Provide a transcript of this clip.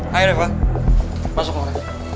hai reva masuklah